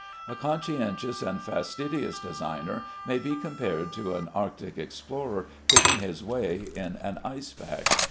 A conscientious and fastidious designer may be compared to an Arctic explorer picking his way in an ice pack.